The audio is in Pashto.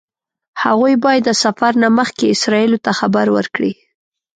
هغوی باید د سفر نه مخکې اسرائیلو ته خبر ورکړي.